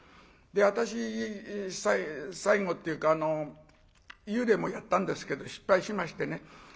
私最後っていうか幽霊もやったんですけど失敗しましてね。